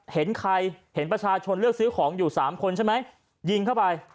เห็นใครเห็นประชาชนเลือกซื้อของอยู่๓คนใช่ไหมยิงเข้าไป